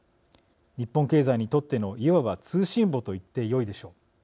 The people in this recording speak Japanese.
日本経済にとってのいわば通信簿と言ってよいでしょう。